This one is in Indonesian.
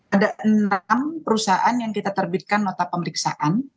ada enam perusahaan yang kita terbitkan nota pemeriksaan